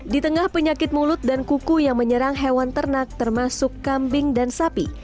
di tengah penyakit mulut dan kuku yang menyerang hewan ternak termasuk kambing dan sapi